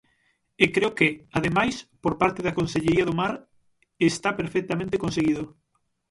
E creo que, ademais, por parte da Consellería do Mar está perfectamente conseguido.